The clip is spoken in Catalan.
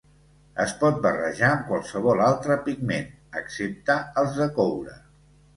Es pot barrejar amb qualsevol altre pigment, excepte els de coure.